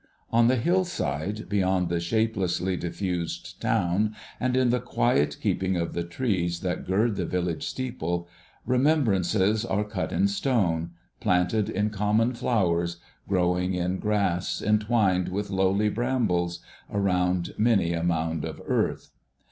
On the hill side beyond the shapelessly diffused town, and in the quiet keeping of the trees that gird the village steeple, remembrances are cut in stone, planted in common flowers, growing in grass, entwined with lowly brambles around many a mound of earth.